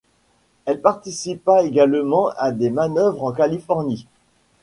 Elle participa également à des manœuvres en Californie.